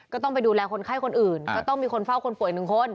ก็ต้องไปดูแลคนไข้คนอื่นก็ต้องมีคนเฝ้าคนป่วยหนึ่งคน